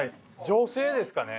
女性ですかね。